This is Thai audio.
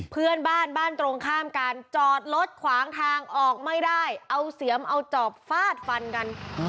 เพื่อนบ้านบ้านตรงข้ามกันจอดรถขวางทางออกไม่ได้เอาเสียมเอาจอบฟาดฟันกัน